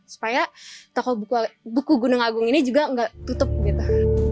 supaya toko buku gunung agung ini juga nggak tutup gitu